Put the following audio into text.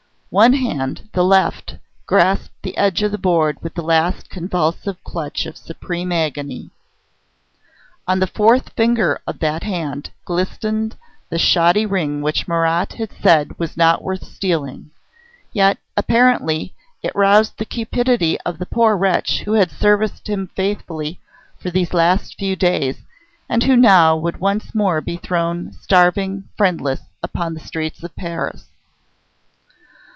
One hand, the left, grasped the edge of the board with the last convulsive clutch of supreme agony. On the fourth finger of that hand glistened the shoddy ring which Marat had said was not worth stealing. Yet, apparently, it roused the cupidity of the poor wretch who had served him faithfully for these last few days, and who now would once more be thrown, starving and friendless, upon the streets of Paris.